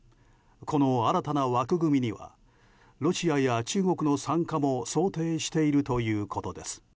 この新たな枠組みにはロシアや中国の参加も想定しているということです。